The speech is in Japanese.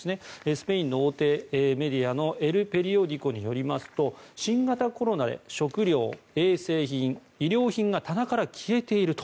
スペインの大手メディアのエル・ペリオディコによりますと新型コロナで食料、衛生品、医療品が棚から消えていると。